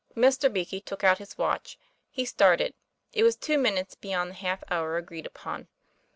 Mr. Beakey took out his watch. He started; it was two minutes beyond the half hour agreed upon.